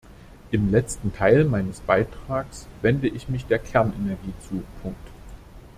Im letzten Teil meines Beitrags wende ich mich der Kernenergie zu.